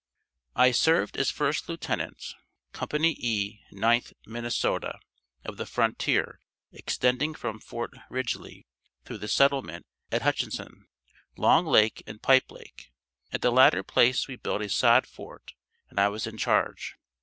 I served as first Lieutenant, Co. E, 9th Minnesota of the frontier extending from Fort Ridgely through the settlement at Hutchinson, Long Lake and Pipe Lake. At the latter place we built a sod fort and I was in charge.